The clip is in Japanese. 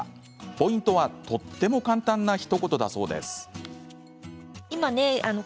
ポイントは、とっても簡単なひと言だそうです。